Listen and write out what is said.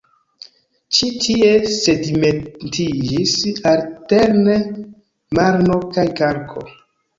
Ĉi tie sedimentiĝis alterne marno kaj kalko.